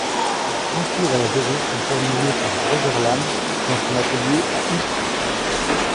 La peinture et la dorure sont terminées par Broederlam dans son atelier à Ypres.